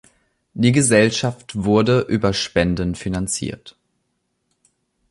Die Gesellschaft wurde über Spenden finanziert.